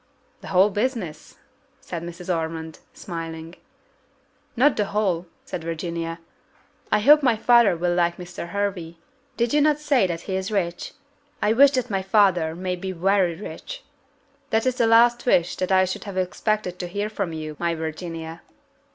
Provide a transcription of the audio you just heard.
"The whole business?" said Mrs. Ormond, smiling. "Not the whole," said Virginia; "I hope my father will like Mr. Hervey. Did not you say that he is rich? I wish that my father may be very rich." "That is the last wish that I should have expected to hear from you, my Virginia."